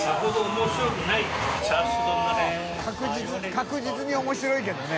確実に面白いけどね。